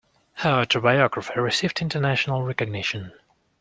Her autobiography received international recognition.